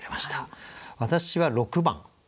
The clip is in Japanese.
私は６番。